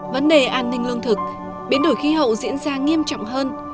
vấn đề an ninh lương thực biến đổi khí hậu diễn ra nghiêm trọng hơn